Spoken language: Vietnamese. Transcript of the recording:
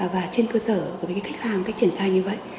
và trên cơ sở với cái cách hàng cách triển khai như vậy